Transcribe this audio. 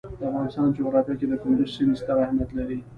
د افغانستان جغرافیه کې کندز سیند ستر اهمیت لري.